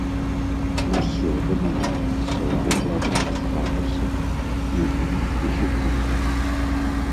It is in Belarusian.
Нахіл вымяраецца ў вуглавых градусах, хвілінах і секундах.